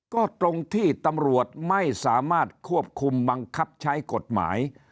ก็ตรงที่ตำรวจไม่สามารถควบคุมบังคับใช้กฎหมาย